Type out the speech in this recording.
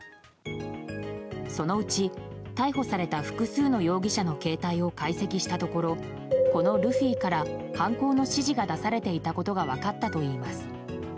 そのうち、逮捕された複数の容疑者の携帯を解析したところこのルフィから犯行の指示が出されていたことが分かったといいます。